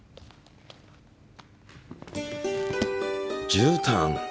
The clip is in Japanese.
じゅうたん！